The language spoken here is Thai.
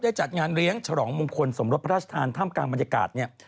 จัดงานเลี้ยงฉลองมงคลสมรสพระราชทานท่ามกลางบรรยากาศเนี่ย